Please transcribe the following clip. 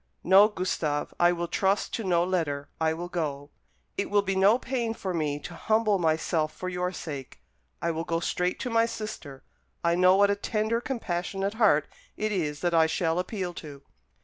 "No, Gustave, I will trust to no letter; I will go. It will be no pain for me to humble myself for your sake. I will go straight to my sister. I know what a tender compassionate heart it is that I shall appeal to."